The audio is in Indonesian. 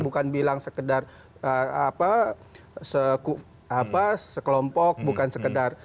bukan bilang sekedar sekelompok bukan sekedar